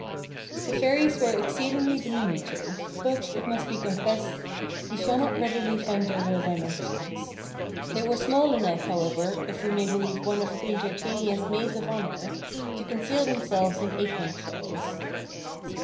The fairies were exceedingly diminutive, but, it must be confessed, we shall not readily find their real dimensions. They were small enough, however, if we may believe one of queen Titania's maids of honour, to conceal themselves in acorn shells.